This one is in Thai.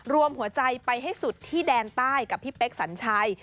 รวมหัวใจไปให้สุดที่แดนใต้กับพี่เป๊กสัญชัย